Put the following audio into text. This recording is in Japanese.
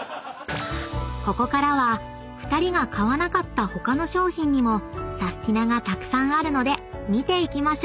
［ここからは２人が買わなかった他の商品にもサスティな！がたくさんあるので見ていきましょう］